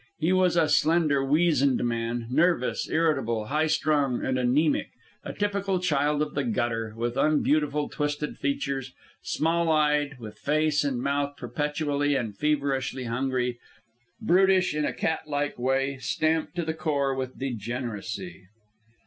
He was a slender, weazened man, nervous, irritable, high strung, and anaemic a typical child of the gutter, with unbeautiful twisted features, small eyed, with face and mouth perpetually and feverishly hungry, brutish in a cat like way, stamped to the core with degeneracy.